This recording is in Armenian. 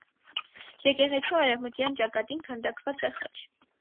Եկեղեցու արևմտյան ճակատին քանդակված է խաչ։